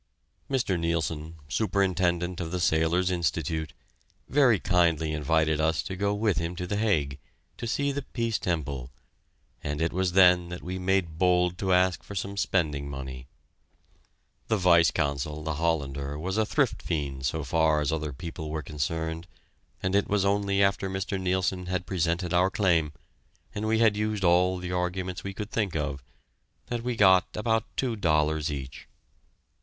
Mr. Neilson, Superintendent of the Sailors' Institute, very kindly invited us to go with him to The Hague, to see the Peace Temple, and it was then that we made bold to ask for some spending money. The Vice Consul, the Hollander, was a thrift fiend so far as other people were concerned, and it was only after Mr. Neilson had presented our claim, and we had used all the arguments we could think of, that we got about two dollars each.